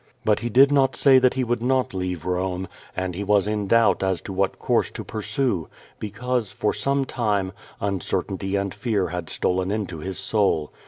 But he did not say that he would i|ot leave Rome, and he was in doubt as to what course to pursue, because, for some time, uncertainty and fear had stolen into his soul.